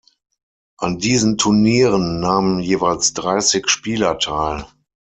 An diesen Turnieren nahmen jeweils dreißig Spieler teil.